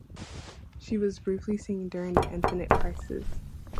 She was briefly seen during "Infinite Crisis".